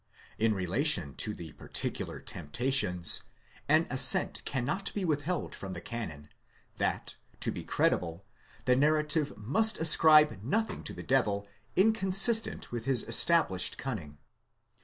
In relation to the particular temptations, an assent cannot be withheld from the canon, that, to be credible, the narrative must ascribe nothing to the devil inconsistent with his established cunning.